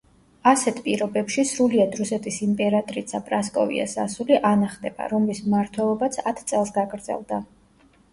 ასეთ პირობებში სრულიად რუსეთის იმპერატრიცა პრასკოვიას ასული, ანა ხდება, რომლის მმართველობაც ათ წელს გაგრძელდა.